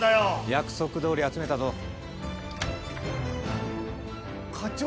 約束どおり集めたぞ課長？